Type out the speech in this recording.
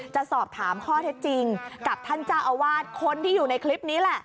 จะสอบถามข้อเท็จจริงกับท่านเจ้าอาวาสคนที่อยู่ในคลิปนี้แหละ